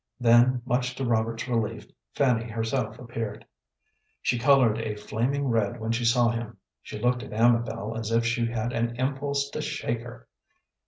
Then, much to Robert's relief, Fanny herself appeared. She colored a flaming red when she saw him. She looked at Amabel as if she had an impulse to shake her.